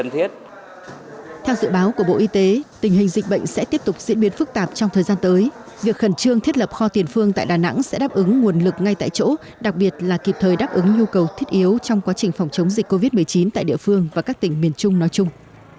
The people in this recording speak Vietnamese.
theo dự báo của bộ y tế tình hình dịch bệnh sẽ tiếp tục diễn biến phức tạp trong thời gian tới việc khẩn trương thiết lập kho tiền phương tại đà nẵng sẽ đáp ứng nguồn lực ngay tại chỗ đặc biệt là kịp thời đáp ứng nhu cầu thiết yếu trong quá trình phòng chống dịch covid một mươi chín tại địa phương và các tỉnh miền trung nói chung